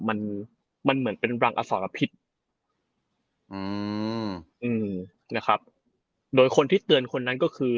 มันมันเหมือนเป็นรังอสรพิษอืมอืมนะครับโดยคนที่เตือนคนนั้นก็คือ